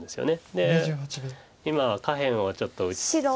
で今は下辺をちょっと打ちつつ。